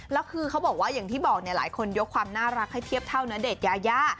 แล้วคือเขาบอกว่าอย่างที่บอกเนี่ยหลายคนยกความน่ารักให้เทียบเท่าณเดชน์ยายา